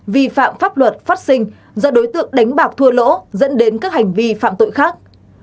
vi phạm pháp luật phát sinh do đối tượng đánh bạc thua lỗ dẫn đến các hành vi phạm tội khác